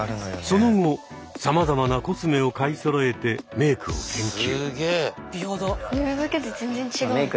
その後さまざまなコスメを買いそろえてメークを研究。